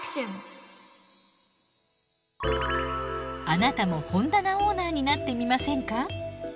あなたも本棚オーナーになってみませんか？